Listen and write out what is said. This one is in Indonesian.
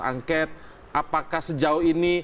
angket apakah sejauh ini